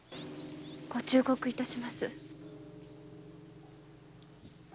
ご忠告いたします。